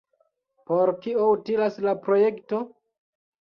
Por kio utilas la projekto?